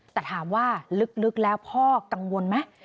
แต่ถามว่าลึกแล้วพ่อกังวลไหม